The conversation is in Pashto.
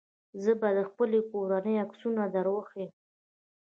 زه به د خپلې کورنۍ عکسونه دروښيم.